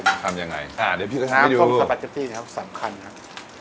ทำยังไงอ่าเดี๋ยวพี่ก็ทำให้ดูน้ำส้มสวาเก็ตตี้เนี่ยครับสำคัญครับ